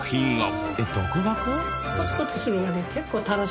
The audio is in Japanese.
えっ独学？